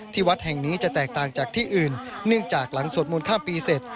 วัดแห่งนี้จะแตกต่างจากที่อื่นเนื่องจากหลังสวดมนต์ข้ามปีเสร็จ